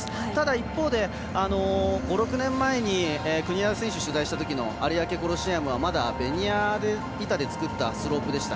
一方で５６年前に取材したときの有明コロシアムはまだベニヤ板で作ったスロープでした。